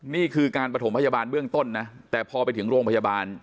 นี่คือการประถมพยาบาลเบื้องต้นนะแต่พอไปถึงโรงพยาบาล